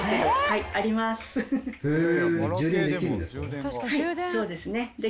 はいそうですね。